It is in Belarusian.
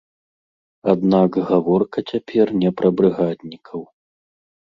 Аднак, гаворка цяпер не пра брыгаднікаў.